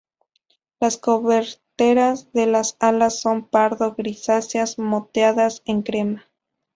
Las coberteras de las alas son pardo grisáceas moteadas en crema.